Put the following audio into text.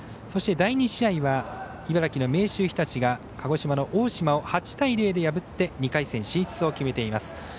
そして、第２試合は茨城の明秀日立が鹿児島の大島を８対０で破って２回戦進出を決めています。